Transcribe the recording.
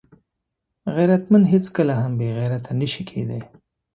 غیرتمند هیڅکله هم بېغیرته نه شي کېدای